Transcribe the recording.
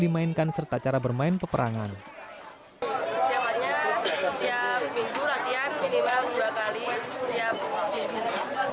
dimainkan serta cara bermain peperangan persiapannya setiap minggu latihan minimal dua kali setiap minggu